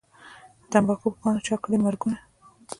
د تمباکو په پاڼو چا کړي مرګونه